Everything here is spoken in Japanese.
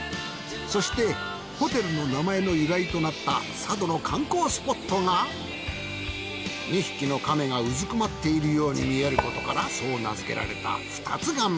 そしてホテルの名前の由来となった佐渡の観光スポットが２匹の亀がうずくまっているように見えることからそう名づけられた二ツ亀。